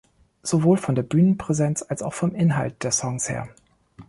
Sowohl von der Bühnenpräsenz, als auch vom Inhalt der Songs her.